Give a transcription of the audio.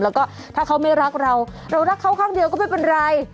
แล้วก็ถ้าเขาไม่รักเราเรารักเขาครั้งเดียวก็ไม่เป็นไร